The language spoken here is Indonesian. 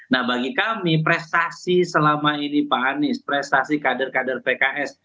nah bagi kami prestasi selama ini pak anies prestasi kader kader pks